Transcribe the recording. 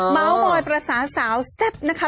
เมาส์บอยประสาสาวแซ่บนะคะ